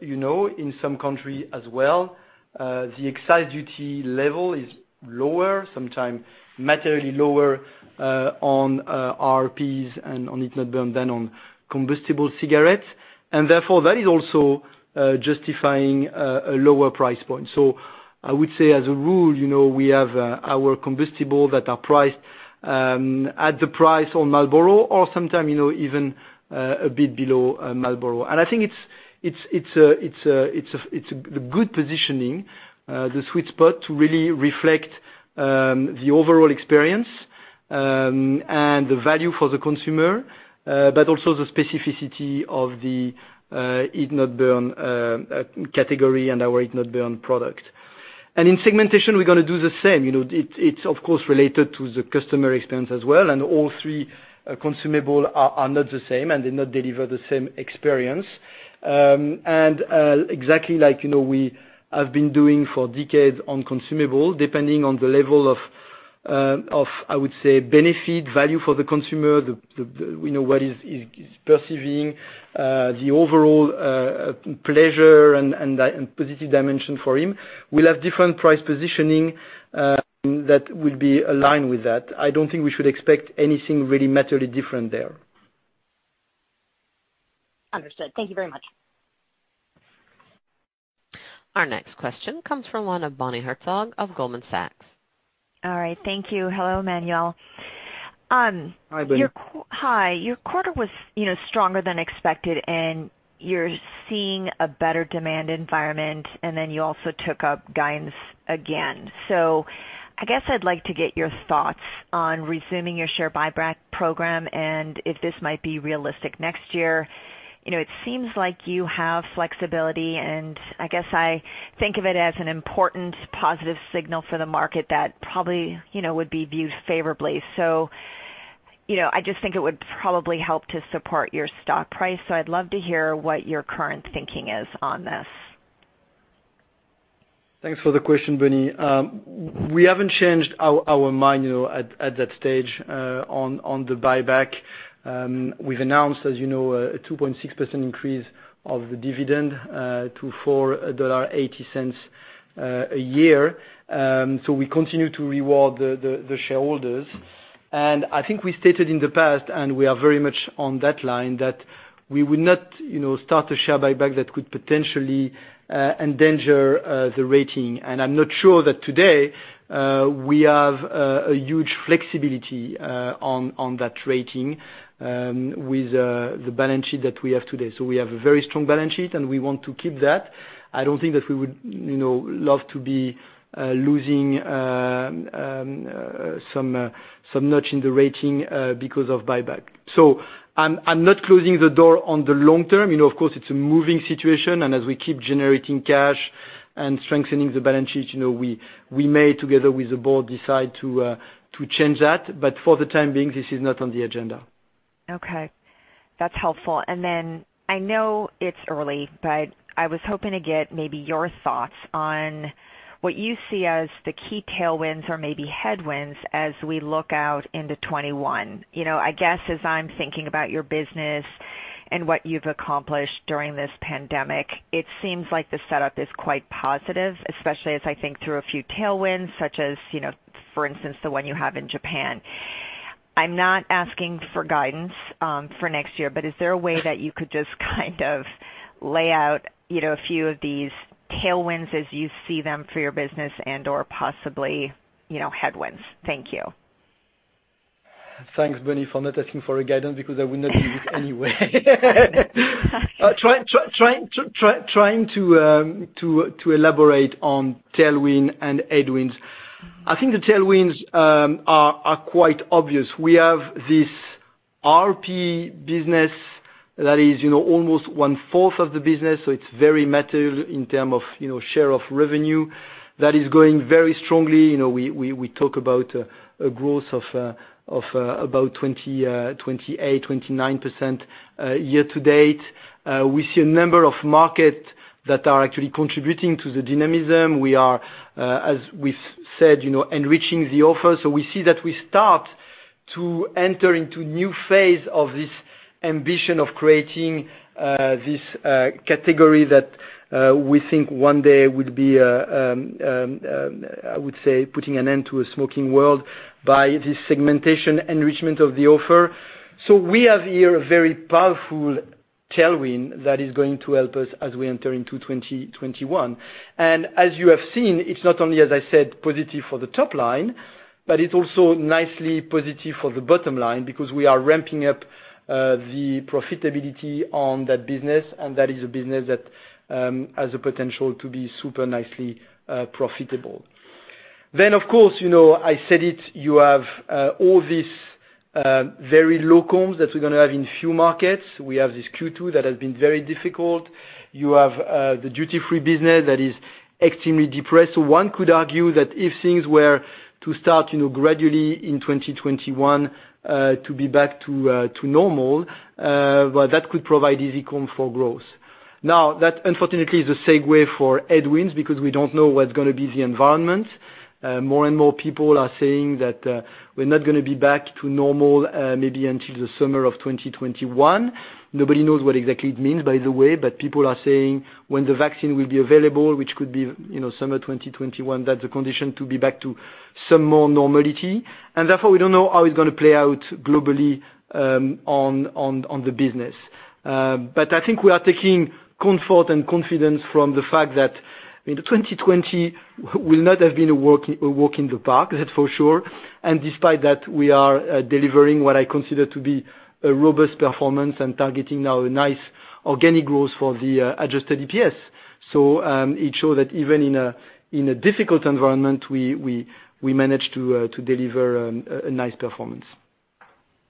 you know, in some country as well, the excise duty level is lower, sometime materially lower, on RRPs and on heat-not-burn than on combustible cigarettes. Therefore, that is also justifying a lower price point. I would say as a rule, we have our combustible that are priced at the price on Marlboro or sometime even a bit below Marlboro. I think it's a good positioning, the sweet spot to really reflect the overall experience, and the value for the consumer, but also the specificity of the heat-not-burn category and our heat-not-burn product. In segmentation, we're going to do the same. It's of course related to the customer experience as well, and all three consumables are not the same and they not deliver the same experience. Exactly like we have been doing for decades on consumables, depending on the level of, I would say, benefit value for the consumer, what is perceiving, the overall pleasure and positive dimension for him, will have different price positioning that will be aligned with that. I don't think we should expect anything really materially different there. Understood. Thank you very much. Our next question comes from one of Bonnie Herzog of Goldman Sachs. All right. Thank you. Hello, Emmanuel. Hi, Bonnie. Hi. Your quarter was stronger than expected, and you're seeing a better demand environment, and then you also took up guidance again. I guess I'd like to get your thoughts on resuming your share buyback program and if this might be realistic next year. It seems like you have flexibility, and I guess I think of it as an important positive signal for the market that probably would be viewed favorably. I just think it would probably help to support your stock price. I'd love to hear what your current thinking is on this. Thanks for the question, Bonnie. We haven't changed our mind at that stage on the buyback. We've announced, as you know, a 2.6% increase of the dividend to $4.80 a year. We continue to reward the shareholders. I think we stated in the past, and we are very much on that line, that we will not start a share buyback that could potentially endanger the rating. I'm not sure that today, we have a huge flexibility on that rating with the balance sheet that we have today. We have a very strong balance sheet, and we want to keep that. I don't think that we would love to be losing some notch in the rating because of buyback. I'm not closing the door on the long term. Of course, it's a moving situation, and as we keep generating cash and strengthening the balance sheet, we may, together with the board, decide to change that. For the time being, this is not on the agenda. Okay. That's helpful. I know it's early, but I was hoping to get maybe your thoughts on what you see as the key tailwinds or maybe headwinds as we look out into 2021. I guess as I'm thinking about your business and what you've accomplished during this pandemic, it seems like the setup is quite positive, especially as I think through a few tailwinds, such as, for instance, the one you have in Japan. I'm not asking for guidance for next year, but is there a way that you could just kind of lay out a few of these tailwinds as you see them for your business and/or possibly headwinds? Thank you. Thanks, Bonnie, for not asking for a guidance because I would not give it anyway. Trying to elaborate on tailwind and headwinds. I think the tailwinds are quite obvious. We have this RRPs business that is almost 1/4 of the business, so it's very material in terms of share of revenue that is growing very strongly. We talk about a growth of about 28%, 29% year to date. We see a number of markets that are actually contributing to the dynamism. We are, as we said, enriching the offer. We see that we start to enter into new phase of this ambition of creating this category that we think one day would be, I would say, putting an end to a smoking world by this segmentation enrichment of the offer. We have here a very powerful tailwind that is going to help us as we enter into 2021. As you have seen, it's not only, as I said, positive for the top line, but it's also nicely positive for the bottom line because we are ramping up the profitability on that business, and that is a business that has the potential to be super nicely profitable. Of course, I said it, you have all these very low comps that we're going to have in few markets. We have this Q2 that has been very difficult. You have the duty-free business that is extremely depressed. One could argue that if things were to start gradually in 2021 to be back to normal, well, that could provide easy comp for growth. That unfortunately is a segue for headwinds because we don't know what's going to be the environment. More and more people are saying that we're not going to be back to normal maybe until the summer of 2021. Nobody knows what exactly it means, by the way, but people are saying when the vaccine will be available, which could be summer 2021, that's the condition to be back to some more normality. Therefore, we don't know how it's going to play out globally on the business. I think we are taking comfort and confidence from the fact that 2020 will not have been a walk in the park, that's for sure. Despite that, we are delivering what I consider to be a robust performance and targeting now a nice organic growth for the adjusted EPS. It shows that even in a difficult environment, we managed to deliver a nice performance.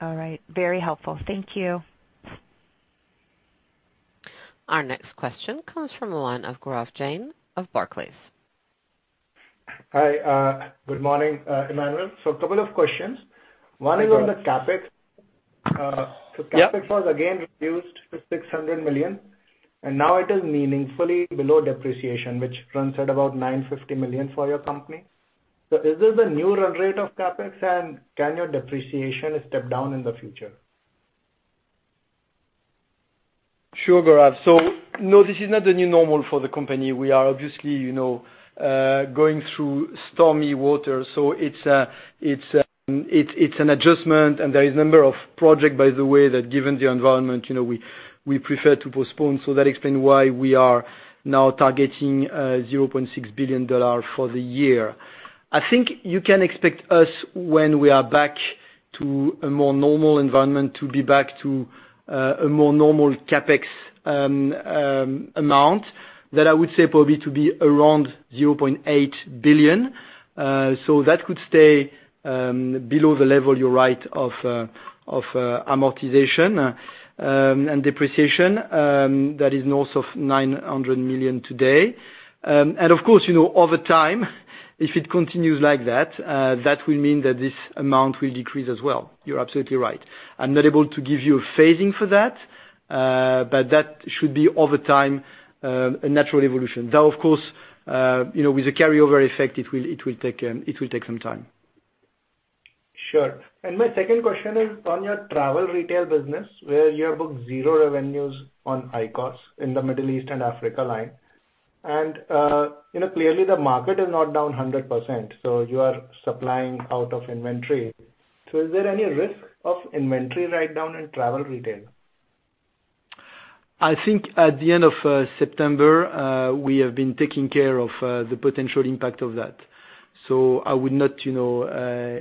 All right. Very helpful. Thank you. Our next question comes from the line of Gaurav Jain of Barclays. Hi. Good morning, Emmanuel. A couple of questions. No problem. One is on the CapEx. Yep. CapEx was again reduced to $600 million, and now it is meaningfully below depreciation, which runs at about $950 million for your company. Is this the new run rate of CapEx, and can your depreciation step down in the future? Sure, Gaurav. No, this is not the new normal for the company. We are obviously going through stormy waters, so it's an adjustment, and there is number of project, by the way, that given the environment, we prefer to postpone. That explain why we are now targeting $0.6 billion for the year. I think you can expect us, when we are back to a more normal environment, to be back to a more normal CapEx amount that I would say probably to be around $0.8 billion. That could stay below the level, you're right, of amortization and depreciation. That is north of $900 million today. Of course, over time, if it continues like that will mean that this amount will decrease as well. You're absolutely right. I'm not able to give you a phasing for that, but that should be, over time, a natural evolution. Of course, with the carryover effect, it will take some time. Sure. My second question is on your travel retail business, where you have booked zero revenues on IQOS in the Middle East and Africa line. Clearly the market is not down 100%, so you are supplying out of inventory. Is there any risk of inventory write-down in travel retail? I think at the end of September, we have been taking care of the potential impact of that. I would not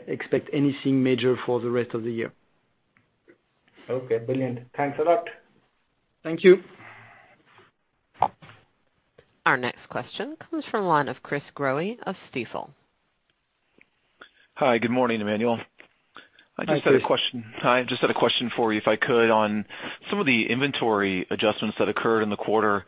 expect anything major for the rest of the year. Okay, brilliant. Thanks a lot. Thank you. Our next question comes from the line of Chris Growe of Stifel. Hi, good morning, Emmanuel. Hi, Chris. I just had a question for you, if I could, on some of the inventory adjustments that occurred in the quarter.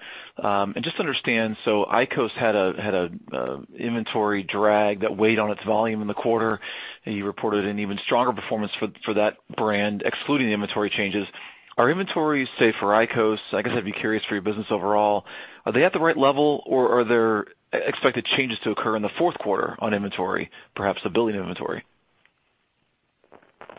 Just to understand, IQOS had an inventory drag that weighed on its volume in the quarter, and you reported an even stronger performance for that brand, excluding the inventory changes. Are inventories safe for IQOS? I guess I'd be curious for your business overall, are they at the right level, or are there expected changes to occur in the fourth quarter on inventory, perhaps the building inventory?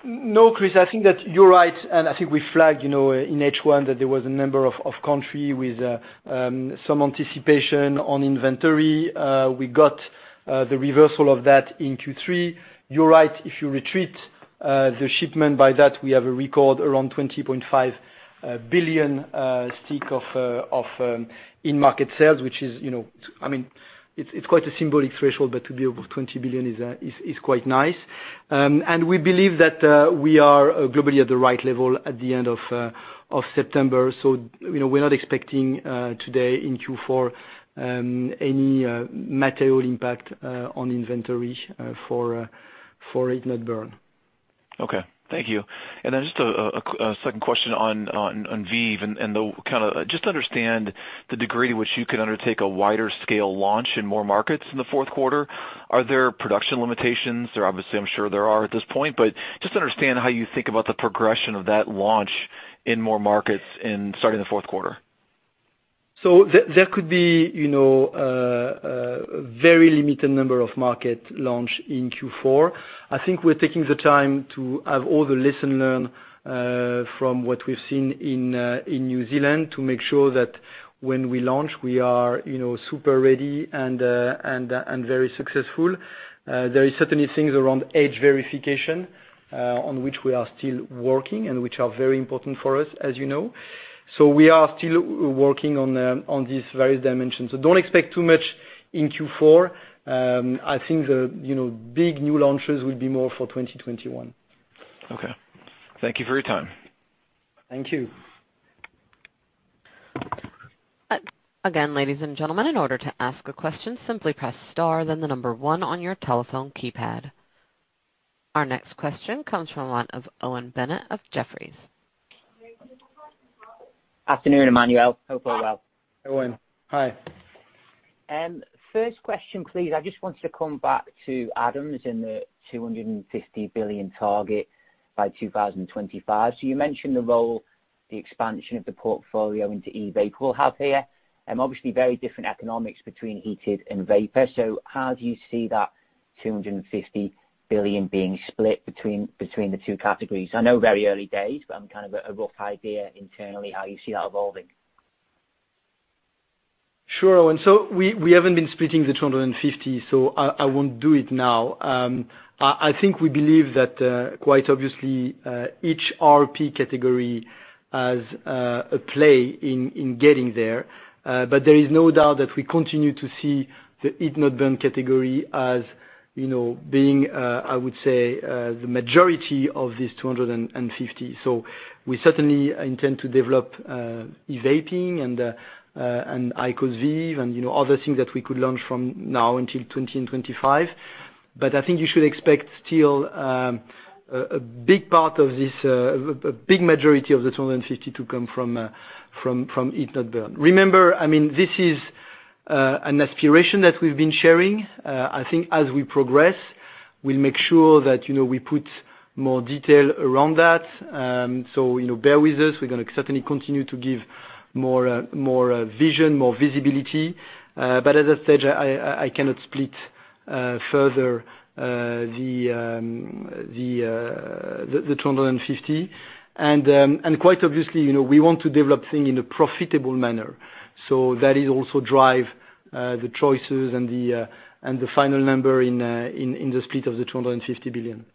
No, Chris, I think that you're right. I think we flagged in H1 that there was a number of country with some anticipation on inventory. We got the reversal of that in Q3. You're right. If you retreat the shipment by that, we have a record around 20.5 billion stick of in-market sales, which is quite a symbolic threshold, but to be above 20 billion is quite nice. We believe that we are globally at the right level at the end of September. We're not expecting today in Q4 any material impact on inventory for heat-not-burn. Okay. Thank you. Just a second question on VEEV and just to understand the degree to which you can undertake a wider scale launch in more markets in the fourth quarter. Are there production limitations? Obviously, I'm sure there are at this point, but just understand how you think about the progression of that launch in more markets and starting the fourth quarter? There could be a very limited number of market launches in Q4. I think we're taking the time to have all the lessons learned from what we've seen in New Zealand to make sure that when we launch, we are super ready and very successful. There are certainly things around age verification, on which we are still working and which are very important for us, as you know. We are still working on these various dimensions. Don't expect too much in Q4. I think the big new launches will be more for 2021. Okay. Thank you for your time. Thank you. Again, ladies and gentlemen, in order to ask a question, simply press star then the number one on your telephone keypad. Our next question comes from the line of Owen Bennett of Jefferies. Afternoon, Emmanuel. Hope all well. Owen, hi. First question, please. I just wanted to come back to Adam and the $250 billion target by 2025. You mentioned the role, the expansion of the portfolio into e-vapor will have here, and obviously very different economics between heated and vapor. How do you see that $250 billion being split between the two categories? I know very early days, but kind of a rough idea internally how you see that evolving. Sure. We haven't been splitting the $250 billion, so I won't do it now. I think we believe that, quite obviously, each RRP category has a play in getting there. There is no doubt that we continue to see the heat-not-burn category as being, I would say, the majority of this $250 billion. We certainly intend to develop vaping and IQOS VEEV and other things that we could launch from now until 2025. I think you should expect still a big part of this, a big majority of the $250 billion to come from heat-not-burn. Remember, this is an aspiration that we've been sharing. I think as we progress, we'll make sure that we put more detail around that. Bear with us. We're going to certainly continue to give more vision, more visibility. At this stage, I cannot split further the $250 billion. Quite obviously, we want to develop things in a profitable manner. That it also drive the choices and the final number in the split of the $250 billion.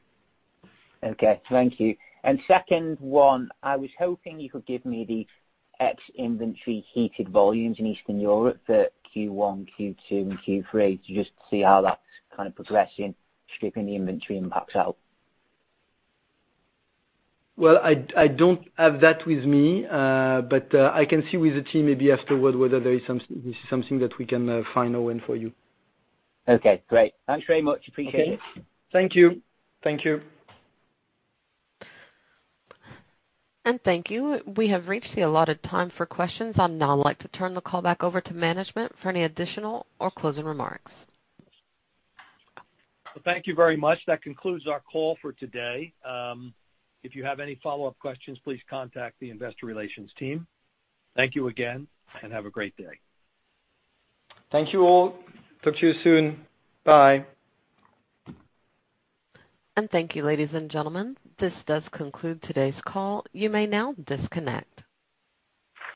Okay. Thank you. Second one, I was hoping you could give me the X inventory heated volumes in Eastern Europe for Q1, Q2, and Q3 to just see how that's progressing, stripping the inventory impacts out. Well, I don't have that with me, but I can see with the team maybe afterward whether there is something that we can find, Owen, for you. Okay, great. Thanks very much. Appreciate it. Okay. Thank you. Thank you. We have reached the allotted time for questions. I'd now like to turn the call back over to management for any additional or closing remarks. Thank you very much. That concludes our call for today. If you have any follow-up questions, please contact the investor relations team. Thank you again, and have a great day. Thank you all. Talk to you soon. Bye. Thank you, ladies and gentlemen. This does conclude today's call. You may now disconnect.